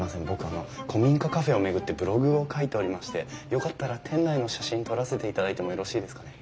あの古民家カフェを巡ってブログを書いておりましてよかったら店内の写真撮らせていただいてもよろしいですかね？